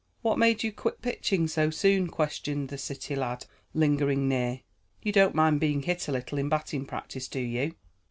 "What made you quit pitching so soon?" questioned the city lad, lingering near. "You don't mind being hit a little in batting practice, do you?"